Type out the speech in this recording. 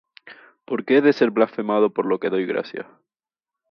¿por qué he de ser blasfemado por lo que doy gracias?